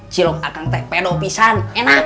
cilok akan tepedo pisang enak